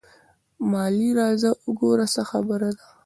مالې راځه وګوره څه خبره ده.